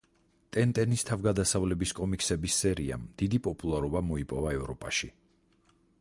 ტენტენის თავგადასავლების კომიქსების სერიამ დიდი პოპულარობა მოიპოვა ევროპაში.